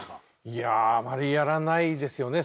いやあまりやらないですよね